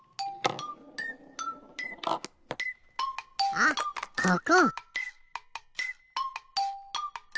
あっここ！